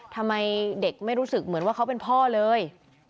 ทำไมเด็กไม่รู้สึกเหมือนว่าเขาเป็นพ่อเลย